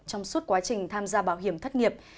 trong suốt quá trình tham gia bảo hiểm thất nghiệp